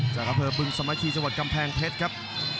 จากกระเภทบุญสมาชิสวดกำแพงเพชรครับ